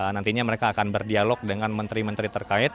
nantinya mereka akan berdialog dengan menteri menteri terkait